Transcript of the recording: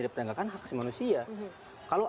dari penegakan hak manusia kalau